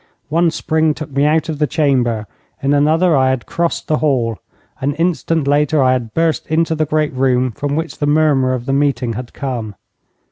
One spring took me out of the chamber. In another I had crossed the hall. An instant later I had burst into the great room from which the murmur of the meeting had come.